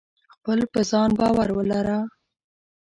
خپل په ځان باور ولره !